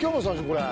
これ。